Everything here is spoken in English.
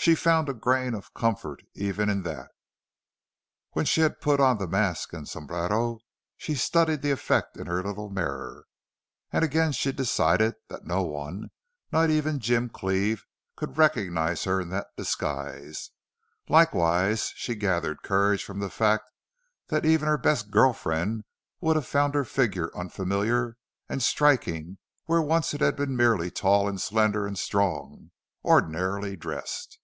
She found a grain of comfort even in that. When she had put on the mask and sombrero she studied the effect in her little mirror. And she again decided that no one, not even Jim Cleve, could recognize her in that disguise. Likewise she gathered courage from the fact that even her best girl friend would have found her figure unfamiliar and striking where once it had been merely tall and slender and strong, ordinarily dressed.